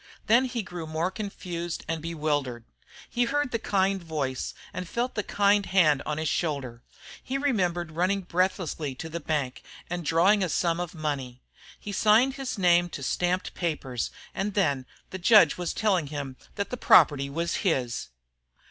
Then he grew more confused and bewildered. He heard the kind voice and felt the kind hand on his shoulder. He remembered running breathlessly to the bank and drawing a sum of money. He signed his name to stamped papers. And then the judge was telling him that the property was his.